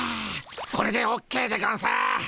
これでオッケーでゴンス。